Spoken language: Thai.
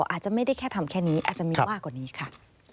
อาจจะไม่ได้แค่ทำแค่นี้อาจจะมีมากกว่านี้ค่ะ